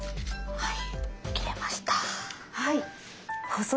はい。